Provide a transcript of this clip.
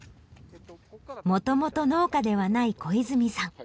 もともと農家ではない小泉さん。